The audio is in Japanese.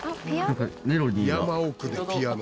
山奥でピアノ。